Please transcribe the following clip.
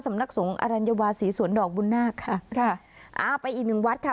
สำนักสงฆ์อรัญวาศรีสวนดอกบุญนาคค่ะค่ะอ่าไปอีกหนึ่งวัดค่ะ